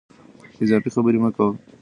اضافي خبرې مه کوئ.